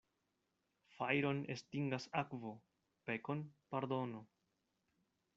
Fajron estingas akvo, pekon pardono.